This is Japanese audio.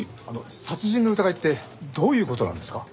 殺人の疑いってどういう事なんですか？